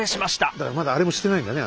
だからまだあれもしてないんだね